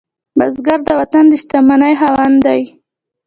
بزګر د وطن د شتمنۍ خاوند دی